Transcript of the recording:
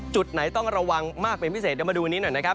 จุดไหนต้องระวังมากเป็นพิเศษเดี๋ยวมาดูวันนี้หน่อยนะครับ